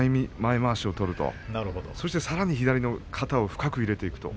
まわしを取るとそして、さらに左の肩を深く入れていく。